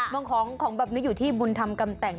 ของของแบบนี้อยู่ที่บุญธรรมกำแต่ง